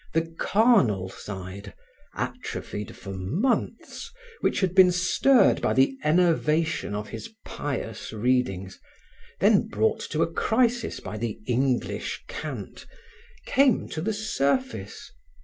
The carnal side, atrophied for months, which had been stirred by the enervation of his pious readings, then brought to a crisis by the English cant, came to the surface.